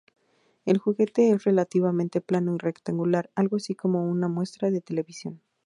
El juguete es relativamente plano y rectangular, algo así como una muestra de televisión.